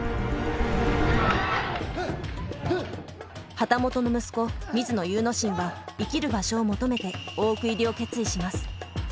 旗本の息子水野祐之進は生きる場所を求めて大奥入りを決意します。